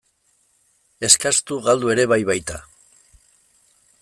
Eskastu galdu ere bai baita.